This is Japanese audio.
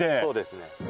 そうですね。